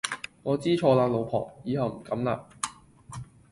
我知錯喇老婆，以後唔敢喇